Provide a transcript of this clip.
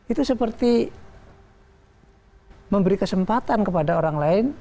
itu seperti memberi kesempatan kepada orang lain